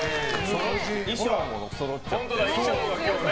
衣装もそろっちゃって。